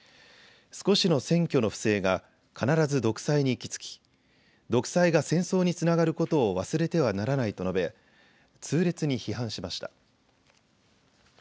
少しの選挙の不正が必ず独裁に行き着き、独裁が戦争につながることを忘れてはならないと述べ、痛烈に批判しました。